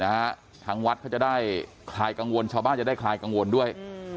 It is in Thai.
ทางวัดเขาจะได้คลายกังวลชาวบ้านจะได้คลายกังวลด้วยอืม